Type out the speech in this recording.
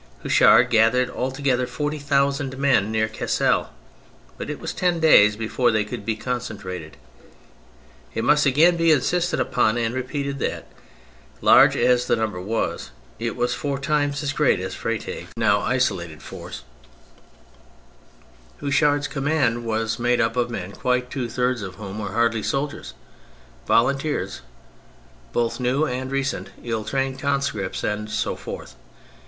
Houchard gathered altogether forty thousand men near Cassel, but it was ten days before they could be concentrated. It must again be insisted upon and repeated that, large as the number was — it was four times as great as Freytag's THE MILITARY ASPECT 193 now isolated force — Houchard's command was made up of men quite two thirds of whom were hardly soldiers : volunteers both new and recent, ill trained conscripts and so forth.